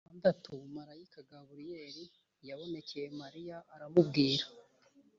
atandatu marayika gaburiyeli yabonekeye mariya aramubwira